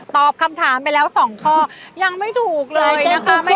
ตอบคำถามไปแล้ว๒ข้อยังไม่ถูกเลยนะคะ